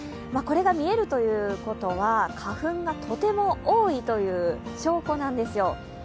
これが見えるということは花粉がとても多いという証拠なんですよ。